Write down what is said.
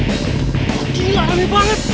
jauh ramai banget